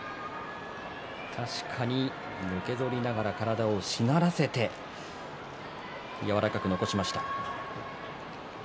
確かにのけぞりながら体をしならせて柔らかく残しました。